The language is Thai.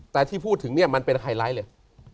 แต่ที่พูดถึงเนี่ยมันเป็นไฮไลท์เลย